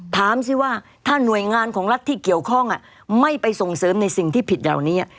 ถามสิว่าถ้าหน่วยงานของรัฐที่เกี่ยวข้องไม่ไปส่งเสริมในสิ่งที่ผิดเหล่านี้